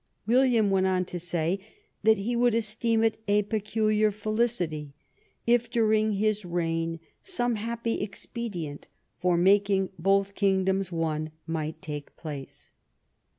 William went on to say that he would esteem it a peculiar felicity if during 160 THE UNION WITH SCOTLAND his reign some happy expedient for making both king doms one might take place."